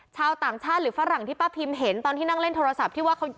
ชาวต่างชาติหรือฝรั่งที่ป้าพิมเห็นตอนที่นั่งเล่นโทรศัพท์ที่ว่าเขา